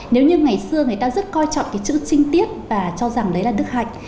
nếu như ngày xưa người ta rất coi trọng cái chữ chinh tiết và cho rằng đấy là đức hạnh